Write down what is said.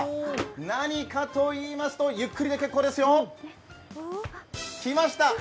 何かといいますとゆっくりで結構ですよ。来ました。